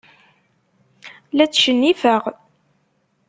La tcennifeɣ.